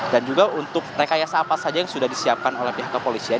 dan juga untuk rekayasa apa saja yang sudah disiapkan oleh pihak kepolisian